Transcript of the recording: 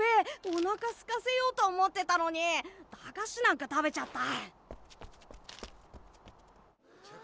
おなかすかせようと思ってたのに駄菓子なんか食べちゃった。